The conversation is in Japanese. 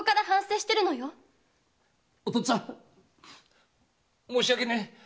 お父っつぁん申し訳ない！